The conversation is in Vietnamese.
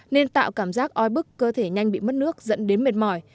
nên tạo cảm giác oi bức cơ thể nhanh bị mất nước dẫn đến mệt mỏi